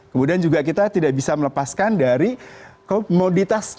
kemudian juga kita tidak bisa melepaskan dari komoditas